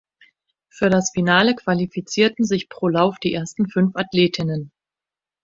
Für das Finale qualifizierten sich pro Lauf die ersten fünf Athletinnen.